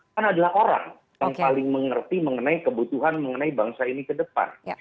kan adalah orang yang paling mengerti mengenai kebutuhan mengenai bangsa ini ke depan